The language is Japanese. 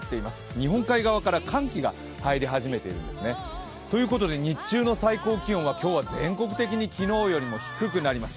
日本海側から寒気が入り始めているんですね。ということで日中の最高気温は今日は全国的に昨日より低くなります。